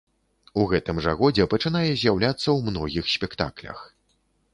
У гэтым жа годзе пачынае з'яўляцца ў многіх спектаклях.